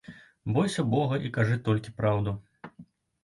Бойся бога і кажы толькі праўду.